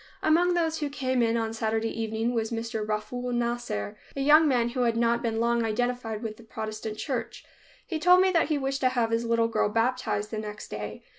Among those who came in on Saturday evening was Mr. Rafool Nasser, a young man who had not been long identified with the Protestant church. He told me that he wished to have his little girl baptized the next day.